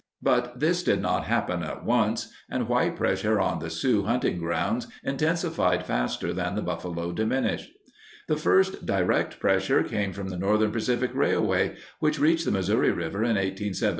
But this did not happen at once, and white pressure on the Sioux hunting grounds intensified faster than the buffalo diminished. The first direct pressure came from the Northern Pacific Railway, which reached the Missouri River in 1873 and pointed its line toward the Yellowstone Valley.